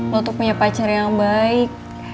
lo tuh punya pacar yang baik